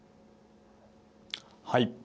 はい。